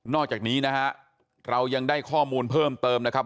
อกจากนี้นะฮะเรายังได้ข้อมูลเพิ่มเติมนะครับ